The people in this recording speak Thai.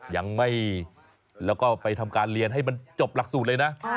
ยังไม่แล้วก็ไปทำการเรียนให้มันจบหลักสูตรเลยนะ